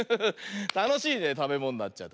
たのしいねたべものになっちゃう。